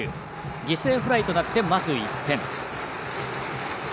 犠牲フライとなって、まず１点。